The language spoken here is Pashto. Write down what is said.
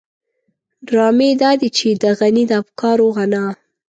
ډرامې دادي چې د غني د افکارو غنا.